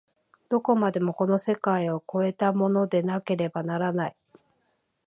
どこまでもこの世界を越えたものでなければならない。